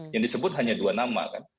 yang disebut hanya dua nama kan